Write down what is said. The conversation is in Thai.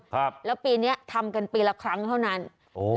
ครับแล้วปีเนี้ยทำกันปีละครั้งเท่านั้นโอ้